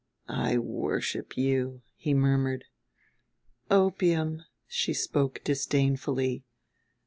"I worship you," he murmured. "Opium," she spoke disdainfully.